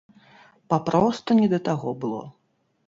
Папросту не да таго было.